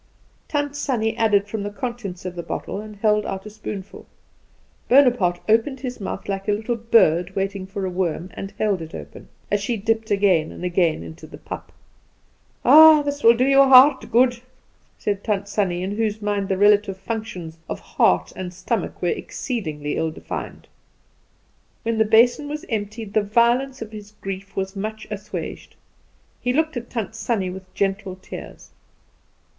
Tant Sannie added from the contents of the bottle and held out a spoonful; Bonaparte opened his mouth like a little bird waiting for a worm, and held it open, as she dipped again and again into the pap. "Ah, this will do your heart good," said Tant Sannie, in whose mind the relative functions of heart and stomach were exceedingly ill defined. When the basin was emptied the violence of his grief was much assuaged; he looked at Tant Sannie with gentle tears.